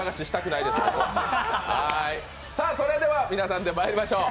それでは皆さんでまいりましょう。